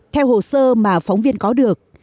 theo hồ sơ mà phóng viên có được